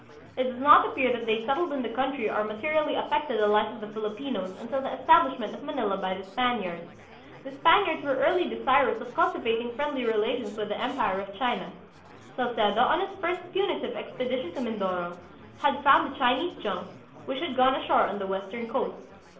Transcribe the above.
It does not appear that they settled in the country or materially affected the life of the Fili pinos until the establishment of Manila by the Spaniards. The Spaniards were early desirous of cultivating friendly relations with the Empire of China. Salcedo, on his first punitive expedition to Mindoro, had found a Chinese junk, which had gone ashore on the western coast.